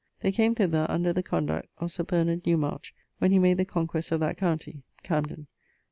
They came thither under the conduct of Sir Bernard Newmarch when he made the conquest of that county (Camden).